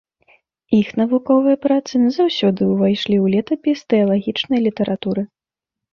Іх навуковыя працы назаўсёды ўвайшлі ў летапіс тэалагічнай літаратуры.